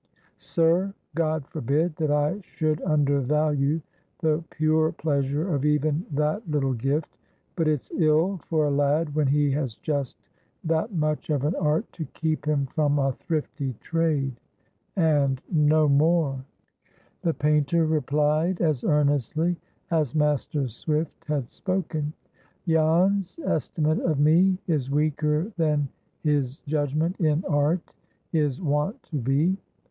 Sir, GOD forbid that I should undervalue the pure pleasure of even that little gift; but it's ill for a lad when he has just that much of an art to keep him from a thrifty trade—and no more." The painter replied as earnestly as Master Swift had spoken,— "Jan's estimate of me is weaker than his judgment in art is wont to be.